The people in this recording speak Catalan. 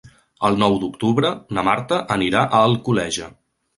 El nou d'octubre na Marta anirà a Alcoleja.